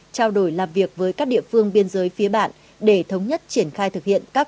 trao đổi làm việc với các địa phương biên giới phía bạn để thống nhất triển khai thực hiện các